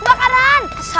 kebakaran pak ustaz